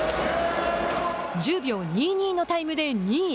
１０秒２２のタイムで２位。